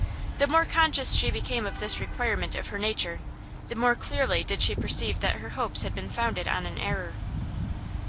The more conscious she became of this requirement of her nature, the more clearly did she perceive that her hopes had been founded on an error.